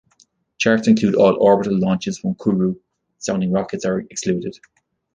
Charts include all orbital launches from Kourou; sounding rockets are excluded.